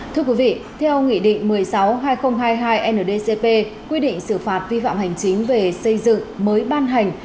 thưa quý vị theo nghị định một mươi sáu hai nghìn hai mươi hai ndcp quy định xử phạt vi phạm hành chính về xây dựng mới ban hành